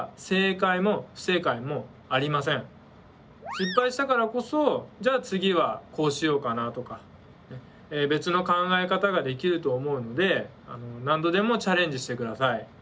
失敗したからこそじゃあ次はこうしようかなとか別の考え方ができると思うので何度でもチャレンジしてください。